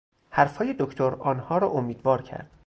حرفهای دکتر آنها را امیدوار کرد.